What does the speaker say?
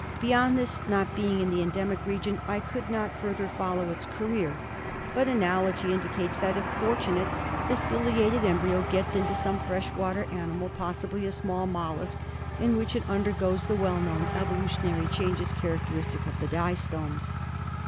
Beyond this, not being in the endemic region, I could not follow its career ; but analogy ENDEMIC HAEMOPTYSIS. 49 indicates that, if fortunate, the ciliated embryo gets into some fresh water animal, possibly a small mollusc, in which it undergoes the well known evolutionary changes characteristic of the distomes.